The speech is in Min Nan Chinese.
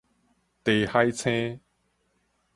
茶海星